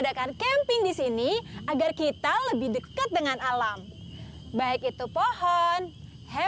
sampai jumpa di video selanjutnya